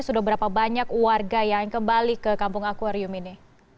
sudah berapa banyak warga yang kembali ke kampung akwarium ini